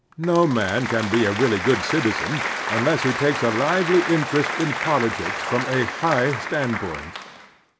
No man can be a really good citizen unless he takes a lively interest in politics from a high standpoint.